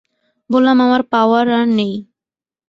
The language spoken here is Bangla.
বললাম আমার পাওয়ার আর নেই।